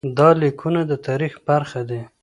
دا لیکونه د تاریخ برخه دي.